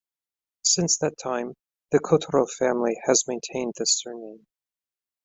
Since that time, the Cottereau family has maintained this surname.